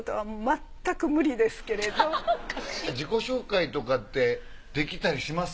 自己紹介とかってできたりします？